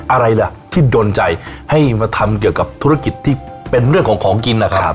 อะไรล่ะที่โดนใจให้มาทำเกี่ยวกับธุรกิจที่เป็นเรื่องของของกินนะครับ